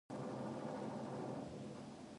He went to Louisiana State University.